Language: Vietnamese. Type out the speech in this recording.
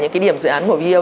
những cái điểm dự án của vo